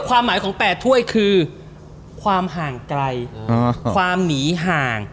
ความหมายของ๘ถ้วยคือความห่างไกลความหนีห่าง